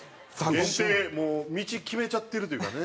もう道決めちゃってるというかね。